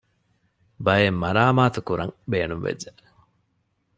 ބައެއް މަރާމާތުކުރަން ބޭނުންވެއްޖެ